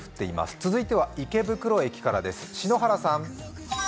続いては、池袋駅からです。